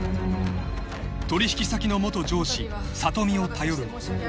［取引先の元上司聡美を頼るも］